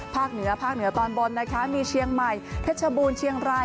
เหนือภาคเหนือตอนบนนะคะมีเชียงใหม่เพชรบูรณเชียงราย